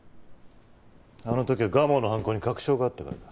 あの時は蒲生の犯行に確証があったからだ。